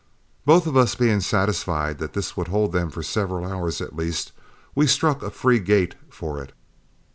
Both of us being satisfied that this would hold them for several hours at least, we struck a free gait for it.